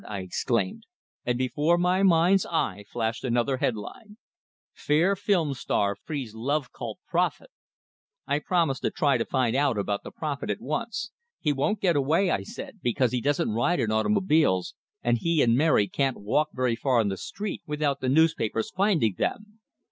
I exclaimed; and before my mind's eye flashed another headline: FAIR FILM STAR FREES LOVE CULT PROPHET I promised to try to find out about the prophet at once. "He won't get away," I said, "because he doesn't ride in automobiles, and he and Mary can't walk very far on the street without the newspapers finding them!"